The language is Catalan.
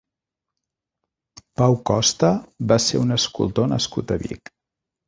Pau Costa va ser un escultor nascut a Vic.